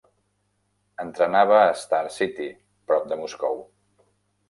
Entrenava a Star City, prop de Moscou.